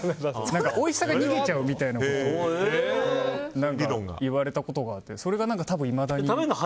おいしさが逃げちゃうみたいなことを言われたことがあってそれがいまだに。